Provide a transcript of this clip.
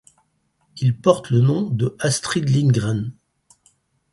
Il porte le nom de Astrid Lindgren.